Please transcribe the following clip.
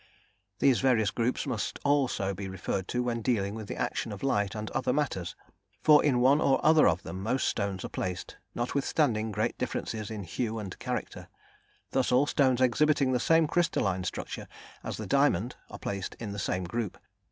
These various groups must also be referred to when dealing with the action of light and other matters, for in one or other of them most stones are placed, notwithstanding great differences in hue and character; thus all stones exhibiting the same crystalline structure as the diamond are placed in the same group.